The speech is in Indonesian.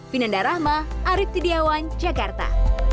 vinanda rahma arief tidiawan jakarta